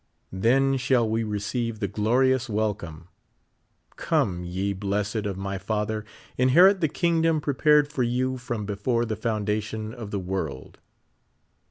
Then shall we receive the glorious welcome :'' Come, ye blessed of my Father, inherit the kingdom prepared for you from liefore the foundaticm of the world."